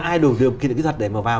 ai đủ điều kiện kỹ thuật để mà vào